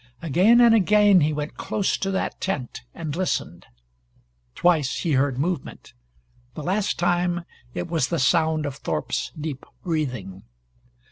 Again and again he went close to that tent, and listened. Twice he heard movement. The last time, it was the sound of Thorpe's deep breathing.